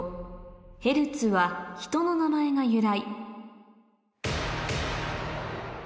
「ヘルツは人の名前が由来」